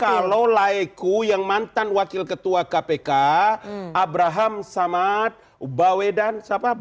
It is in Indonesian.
kalau laiku yang mantan wakil ketua kpk abraham samad bawedan